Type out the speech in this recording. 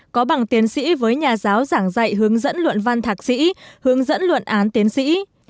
có bằng tiến sĩ với nhà giáo giảng dạy hướng dẫn luận văn thạc sĩ hướng dẫn luận án tiến sĩ